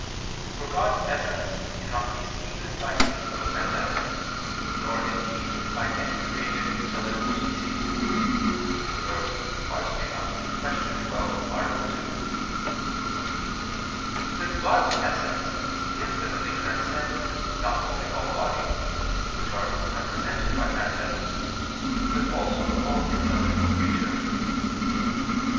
For God's essence cannot be seen by means of a phantasm, nor indeed by any created intelligible species [*Cf. I, Q. 12, A. 2], since God's essence infinitely transcends not only all bodies, which are represented by phantasms, but also all intelligible creatures.